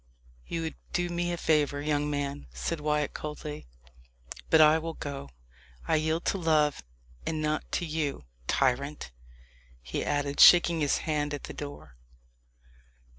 "You would do me a favour, young man," said Wyat coldly; "but I will go. I yield to love, and not to you, tyrant!" he added, shaking his hand at the door.